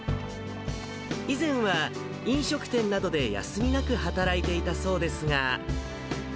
以前は飲食店などで休みなく働いていたそうですが。